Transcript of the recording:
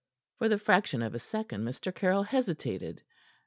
For the fraction of a second Mr. Caryll hesitated.